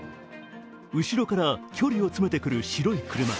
後ろから距離を詰めてくる白い車。